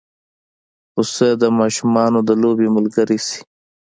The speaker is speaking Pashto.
پسه د ماشومانو د لوبې ملګری شي.